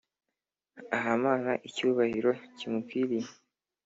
Ahamana icyubahiro kimukwiriye